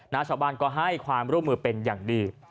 ชาวบ้านก็ให้ความร่วมมือเป็นอย่างดี